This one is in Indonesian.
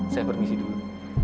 saya permisi dulu